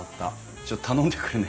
ちょっと頼んでくるね。